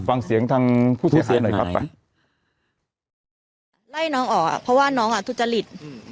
ฟังเสียงทางผู้เสียหายหน่อยครับไล่น้องออกอ่ะเพราะว่าน้องอ่ะทุจริต